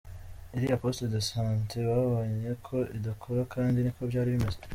Iriya Poste de santé babonye ko idakora kandi niko byari bimeze.